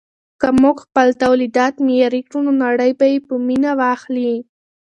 که موږ خپل تولیدات معیاري کړو نو نړۍ به یې په مینه واخلي.